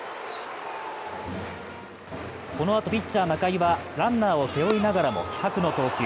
このあと、ピッチャーの仲井はランナーを背負いながらも気迫の投球。